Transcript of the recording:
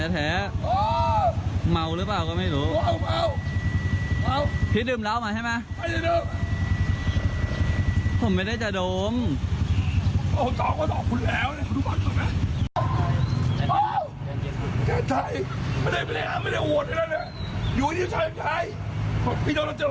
แถมกลางด้วยไปชมคลิปเลยครับ